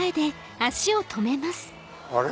あれ？